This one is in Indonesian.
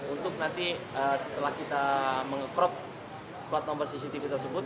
untuk nanti setelah kita mengekrop plat nomor cctv tersebut